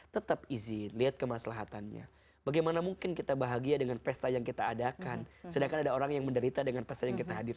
tetap izin lihat kemaslahatannya bagaimana mungkin kita bahagia dengan pesta yang kita adakan sedangkan ada orang yang menderita dengan pesan yang kita hadirkan